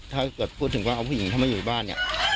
ถ้าเกิดพูดถึงว่าเอาผู้หญิงถ้าไม่อยู่บ้านเนี่ย